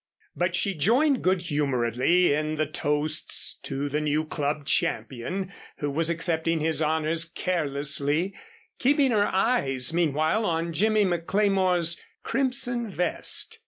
But she joined good humoredly in the toasts to the new club champion who was accepting his honors carelessly, keeping her eyes meanwhile on Jimmy McLemore's crimson vest.